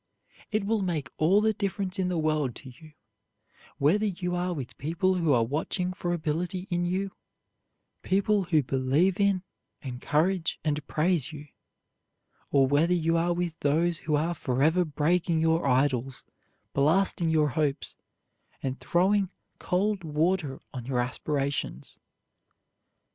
It will make all the difference in the world to you whether you are with people who are watching for ability in you, people who believe in, encourage, and praise you, or whether you are with those who are forever breaking your idols, blasting your hopes, and throwing cold water on your aspirations.